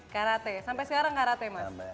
karate sampai sekarang karate mas